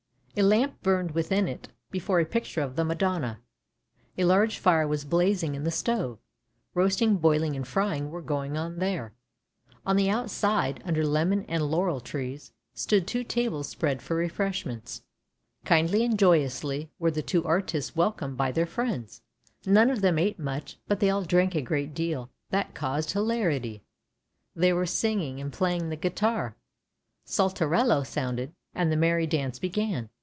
A lamp burned within it, before a picture of the Madonna; a large fire was blazing in the stove (roasting, boiling and frying were going on there) ; on the outside, under lemon and laurel trees, stood two tables spread for refreshments. Kindly and joyously were the two artists welcomed by their friends. None of them ate much, but they all drank a great deal; that caused hilarity. There was singing, and playing the guitar; Saltarello sounded, and the merry dance began.